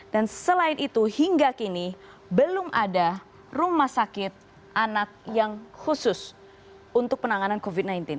dan selain itu hingga kini belum ada rumah sakit anak yang khusus untuk penanganan covid sembilan belas